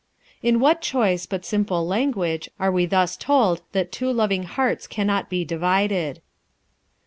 '" In what choice but simple language we are thus told that two loving hearts cannot be divided.